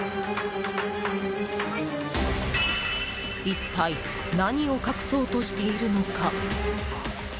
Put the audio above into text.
一体何を隠そうとしているのか？